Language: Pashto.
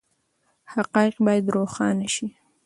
حقایق باید روښانه شي.